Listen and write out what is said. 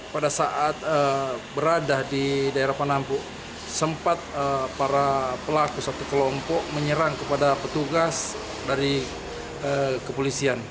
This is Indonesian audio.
pada saat berada di daerah penampu sempat para pelaku satu kelompok menyerang kepada petugas dari kepolisian